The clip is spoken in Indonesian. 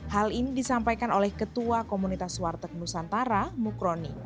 hal ini disampaikan oleh ketua komunitas warteg nusantara mukroni